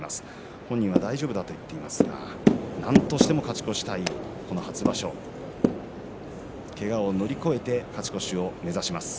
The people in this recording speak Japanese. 本人は大丈夫だと言っていますがなんとしても勝ち越したいこの初場所けがを乗り越えて勝ち越しを目指します。